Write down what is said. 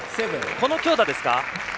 この強打ですか？